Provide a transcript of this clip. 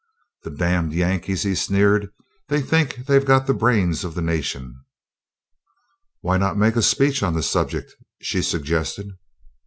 "The damned Yankees!" he sneered. "They think they've got the brains of the nation." "Why not make a speech on the subject?" she suggested.